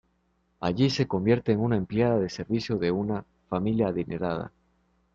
Allí se convierte en una empleada de servicio de una familia adinerada.